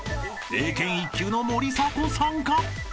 ［英検１級の森迫さんか？］